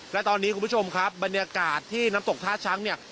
และตอนนี้คุณผู้ชมครับบรรยากาศที่น้ำตกท่าช้างเนี่ย